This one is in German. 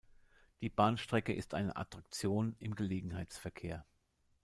Die Bahnstrecke ist eine Attraktion im Gelegenheitsverkehr.